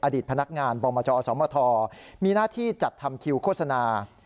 อดีตพนักงานบมจสมทมีหน้าที่จัดทำคิวโฆษณา